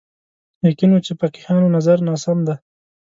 یقین و چې فقیهانو نظر ناسم دی